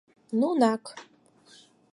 Нунак